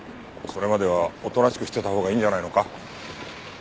それまではおとなしくしてたほうがいいんじゃないのか？